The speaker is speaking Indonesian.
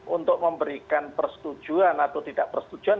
untuk memberikan persetujuan atau tidak persetujuan